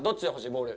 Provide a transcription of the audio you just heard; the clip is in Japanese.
ボール。